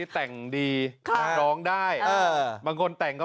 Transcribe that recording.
ก็ต้องมีบ้างเออ